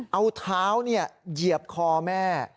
เอาเท้าเนี่ยเหยียบคอแม่